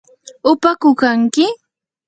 ¿upaku kanki?